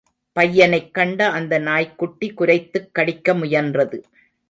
பையனைக் கண்ட அந்த நாய்க்குட்டி குரைத்துக் கடிக்க முயன்றது.